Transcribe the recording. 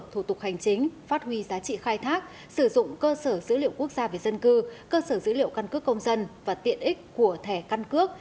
thủ tục hành chính phát huy giá trị khai thác sử dụng cơ sở dữ liệu quốc gia về dân cư cơ sở dữ liệu căn cước công dân và tiện ích của thẻ căn cước